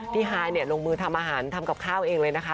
ฮายลงมือทำอาหารทำกับข้าวเองเลยนะคะ